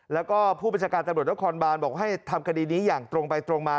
แล้วก็ผู้บัญชาการตำรวจนครบานบอกให้ทำคดีนี้อย่างตรงไปตรงมา